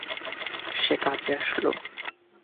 সে কাছে আসলো।